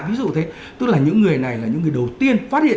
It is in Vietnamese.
ví dụ thế tức là những người này là những người đầu tiên phát hiện